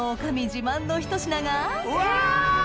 自慢の１品がうわ！